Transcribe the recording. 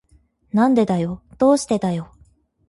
なんでだよ。どうしてだよ。